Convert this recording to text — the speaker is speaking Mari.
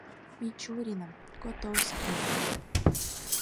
Мичуриным, Котовскийым